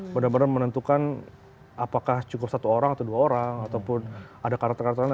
benar benar menentukan apakah cukup satu orang atau dua orang ataupun ada karakter karakter lain